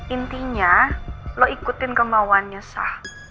intinya lo ikutin kemauannya sah